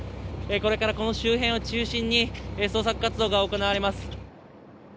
これからこの周辺を中心に捜索活動が行われます。